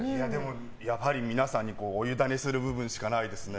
やはり皆さんにおゆだねする場面しかないですね。